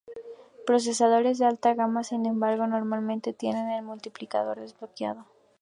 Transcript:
Procesadores de alta gama, sin embargo, normalmente tienen el multiplicador desbloqueado.